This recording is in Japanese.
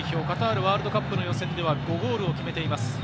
カタールワールドカップの予選では５ゴールを決めています。